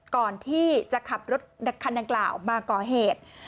ก่อนที่จะขับรถคันดังกล่าวมาก่อเหตุ